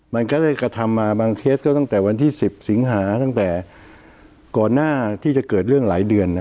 มันก็ได้กระทำมาบางเคสก็ตั้งแต่วันที่๑๐สิงหาตั้งแต่ก่อนหน้าที่จะเกิดเรื่องหลายเดือน